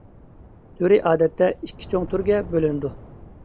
تۈرى ئادەتتە ئىككى چوڭ تۈرگە بۆلىنىدۇ.